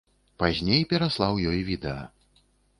Пазней пераслаў ёй відэа.